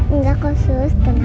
enggak khusus tenang aja